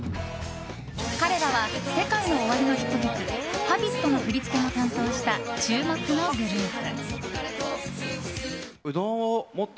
彼らはＳＥＫＡＩＮＯＯＷＡＲＩのヒット曲「Ｈａｂｉｔ」の振り付けも担当した注目のグループ。